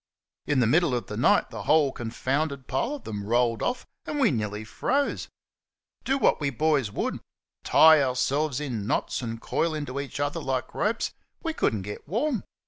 In the middle of the night, the whole confounded pile of them rolled off, and we nearly froze. Do what we boys would tie ourselves in knots and coil into each other like ropes we could n't get warm.